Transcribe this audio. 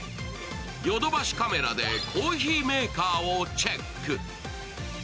ヨドバシカメラでコーヒーメーカーをチェック。